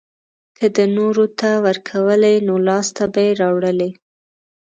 که ده نورو ته ورکولی نو لاسته به يې راوړلی.